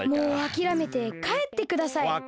もうあきらめてかえってください。